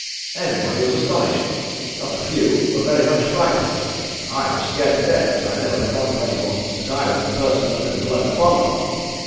Everybody was astonished, not a few were very much frightened. I was scared to death but I never let on to any one that I was the person that had blown the pond off.